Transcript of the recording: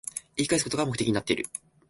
言い返すことが目的になってる